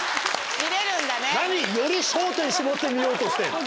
何より焦点絞って見ようとしてんだ。